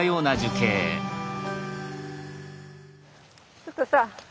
ちょっとさ